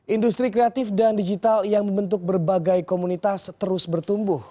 industri kreatif dan digital yang membentuk berbagai komunitas terus bertumbuh